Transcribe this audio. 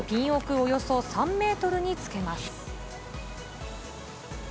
およそ３メートルにつけます。